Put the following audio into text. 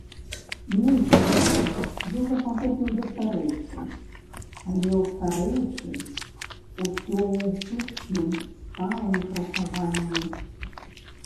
Меншанькая дужа падобна да старэйшай, але ў старэйшай усё ў пышным, сталым красаванні.